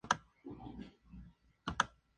Paran en el apeadero de San Juan del Puerto